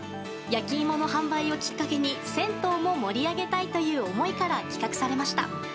焼き芋の販売をきっかけに銭湯も盛り上げたいという思いから企画されました。